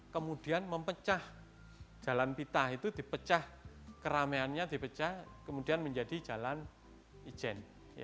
kemudian mempecah jalan pitah itu dipecah keramaiannya dipecah kemudian menjadi jalan ijen